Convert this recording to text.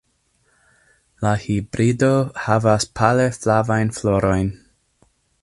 La hibrido havas pale flavajn florojn.